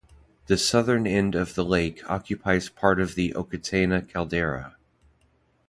The southern end of the lake occupies part of the Okataina caldera.